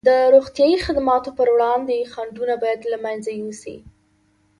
د روغتیايي خدماتو پر وړاندې خنډونه باید له منځه یوسي.